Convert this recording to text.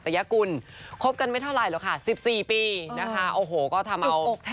จุดปกแทนเลยจริงนะ